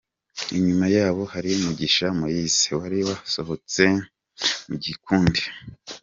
Inyuma yabo hari Mugisha Moïse wari wasohotse mu gikundi.